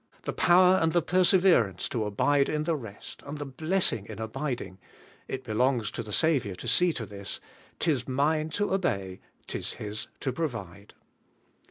The power and the perseverance to abide in the rest, and the blessing in abiding, — it belongs to the Saviour to see to this; 'tis mine to obey, 'tis His to provide.